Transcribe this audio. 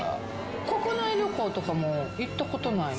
国内旅行とかも行ったことないの？